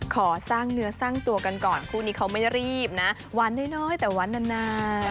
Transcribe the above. ขอสร้างเนื้อสร้างตัวกันก่อนคู่นี้เขาไม่รีบนะวันน้อยแต่วันนาน